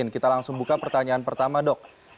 kita langsung buka pertanyaan pertama dok